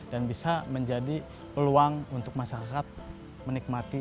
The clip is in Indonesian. dan bisa menjadi peluang untuk masyarakat menikmati